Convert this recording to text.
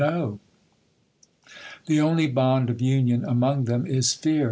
No : the only bond of union among them is fear.